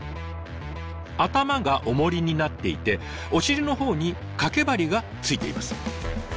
頭がおもりになっていてお尻の方に掛け針が付いています。